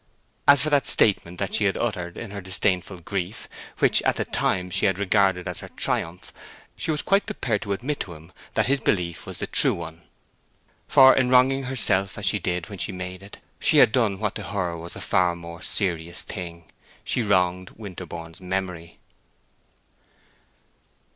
As for that statement that she had uttered in her disdainful grief, which at the time she had regarded as her triumph, she was quite prepared to admit to him that his belief was the true one; for in wronging herself as she did when she made it, she had done what to her was a far more serious thing, wronged Winterborne's memory.